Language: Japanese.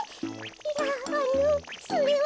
いやあのそれは。